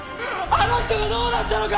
あの人がどうなったのか！